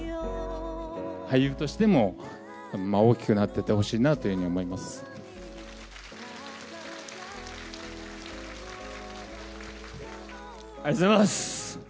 俳優としても大きくなっていってほしいなというふうに思いまありがとうございます！